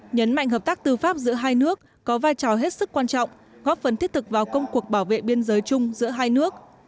nhấn mạnh hợp tác tư pháp giữa hai nước có vai trò hết sức quan trọng góp phần thiết thực vào công cuộc bảo vệ biên giới chung giữa hai nước